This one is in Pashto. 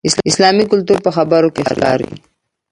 اسلامي کلتور په خبرو کې ښکاري.